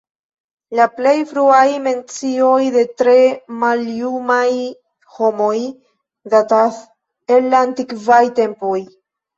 La plej fruaj mencioj de tre maljumaj homoj datas el la antikvaj tempoj.